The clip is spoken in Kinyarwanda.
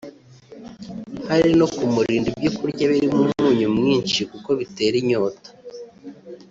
Hari no kumurinda ibyo kurya birimo umunyu mwinshi kuko bitera inyota